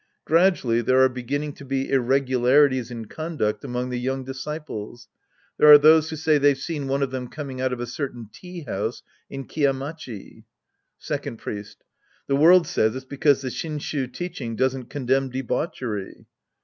Gradually there are beginning to be irregularities in conduct among the young dis ciples. There are those who say they've seen one of them coming out of a certain tea house in Kiya Machi. Second Priest. The world says it's because the Shinshu teaching doesn't condemn debauchery.